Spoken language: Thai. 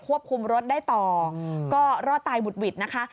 คุมรถได้ต่อก็รอดตายบุดหวิดนะคะ